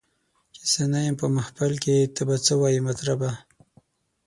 چي زه نه یم په محفل کي ته به څه وایې مطربه